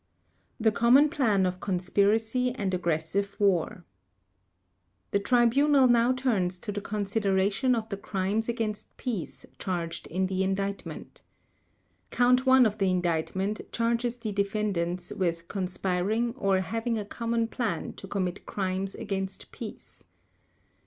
The Common Plan of Conspiracy and Aggressive War The Tribunal now turns to the consideration of the Crimes against Peace charged in the Indictment. Count One of the Indictment charges the defendants with conspiring or having a common plan to commit crimes against peace.